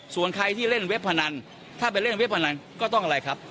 ส่วนใครที่เล่นเว็บพนันถ้าไปเล่นเว็บพนันก็ต้องอะไรครับ